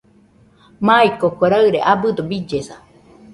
Maikoko raɨre abɨdo billesa